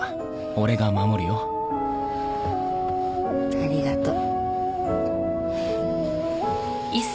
ありがとう。